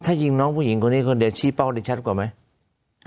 ถ้ายิงน้องผู้หญิงคนนี้คนเดียวชี้เป้าได้ชัดกว่าไหม